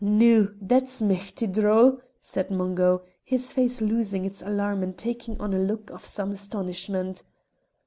"Noo, that's michty droll," said Mungo, his face losing its alarm and taking on a look of some astonishment.